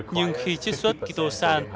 nhưng khi chiết xuất kitosan